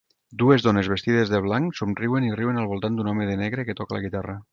Dues dones vestides de blanc somriuen i riuen al voltant d'un home de negre que toca la guitarra.